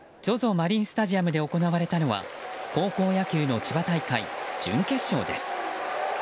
マリンスタジアムで行われたのは高校野球の千葉大会、準決勝です。